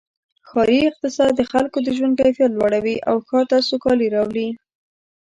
ښاري اقتصاد د خلکو د ژوند کیفیت لوړوي او ښار ته سوکالي راولي.